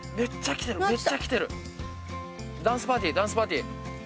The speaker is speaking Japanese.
ダンスパーティーダンスパーティー。